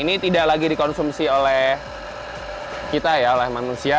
ini tidak lagi dikonsumsi oleh kita ya oleh manusia